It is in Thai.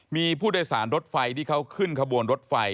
มีผู้โดยสารรถไฟที่เขาขึ้นขบวนรถไฟ